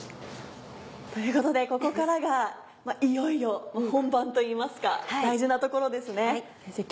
ということでここからがいよいよ本番といいますか大事なところですね。